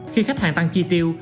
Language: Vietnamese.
khi khách hàng tăng chi tiêu